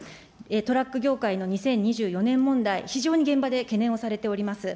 トラック業界の２０２４年問題、非常に現場で懸念をされております。